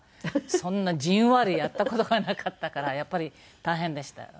そんなじんわりやった事がなかったからやっぱり大変でしたよ。